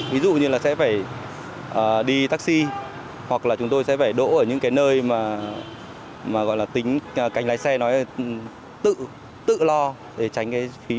ví dụ như là sẽ phải đi taxi hoặc là chúng tôi sẽ phải đỗ ở những cái nơi mà gọi là tính cánh lái xe nói tự tự lo để tránh cái phí